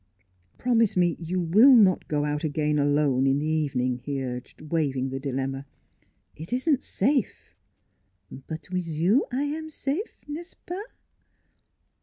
" Promise me you will not go out again alone in the evening," he urged, waiving the dilemma. " It isn't safe." " But wiz you I am safe n'est ce pas?"